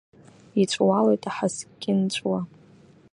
Иҵәуалоит аҳаскьынҵәуа.